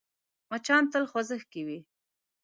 مچان تل خوځښت کې وي